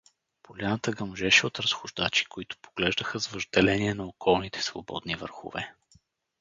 Поляната гъмжеше от разхождачи, които поглеждаха с въжделение на околните свободни върхове.